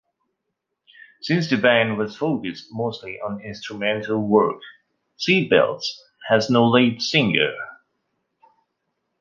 Since the band was focused mostly on instrumental work, Seatbelts had no lead singer.